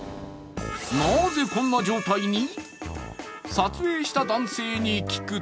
なぜ、こんな状態に？